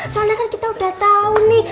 soalnya kan kita udah tahu nih